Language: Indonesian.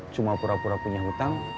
cuma pura pura punya hutang